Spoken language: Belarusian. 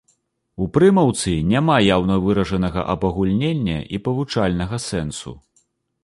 У прымаўцы няма яўна выражанага абагульнення і павучальнага сэнсу.